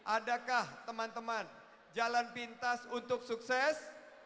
adakah teman teman jalan pintas untuk sukses